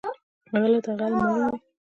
غله ته غل معلوم وي